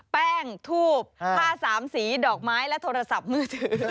แป้งทูบผ้าสามสีดอกไม้และโทรศัพท์มือถือ